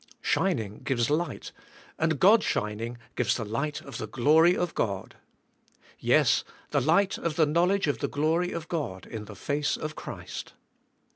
Shining gives light, and God shining gives the light of the glory of God. Yes, the light of the knowledge of the glory of God THK HKAVKNIvY TRKASURK. 161 in the face of Christ.'